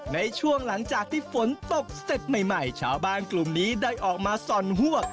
ในช่วงหลังจากที่ฝนตกเสร็จใหม่ชาวบ้านกลุ่มนี้ได้ออกมาส่อนฮวก